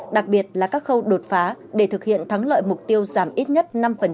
đặc biệt là các khâu đột phá để thực hiện thắng lợi mục tiêu giảm ít nhất năm